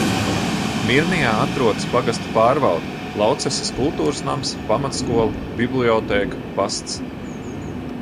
Mirnijā atrodas pagasta pārvalde, Laucesas kultūras nams, pamatskola, bibliotēka, pasts.